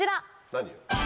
何？